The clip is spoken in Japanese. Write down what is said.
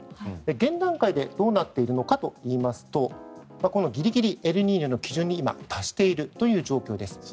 現段階でどうなっているのかといいますとこのギリギリエルニーニョの基準に今、達しているという状況です。